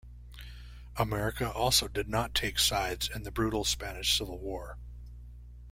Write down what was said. America also did not take sides in the brutal Spanish Civil War.